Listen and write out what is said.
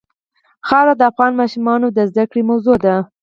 خاوره د افغان ماشومانو د زده کړې موضوع ده.